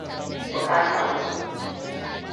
Buƙata uku.